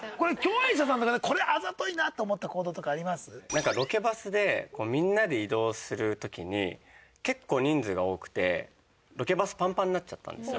なんかロケバスでみんなで移動する時に結構人数が多くてロケバスパンパンになっちゃったんですよ。